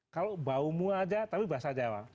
kalau baumu aja tapi bahasa jawa